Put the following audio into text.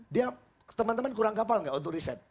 dia teman teman kurang kapal nggak untuk riset